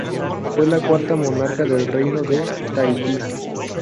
Fue la cuarta monarca del Reino de Tahití.